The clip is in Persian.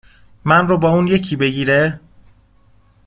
من رو با اون یکی بگیره